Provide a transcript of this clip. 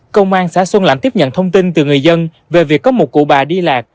công an xã xuân lãnh tiếp nhận thông tin từ người dân về việc có một cụ bà đi lạc